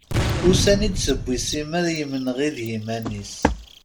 Ussan i d-tewwi Sima yimenɣi d yiman-is.